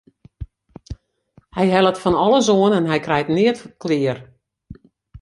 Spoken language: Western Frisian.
Hy hellet fan alles oan en hy krijt neat klear.